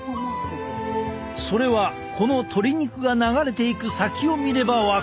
それはこの鶏肉が流れていく先を見ればわかる。